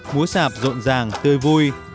múa sạp rộn ràng tươi vui